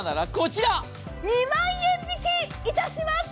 ２万円引きいたします！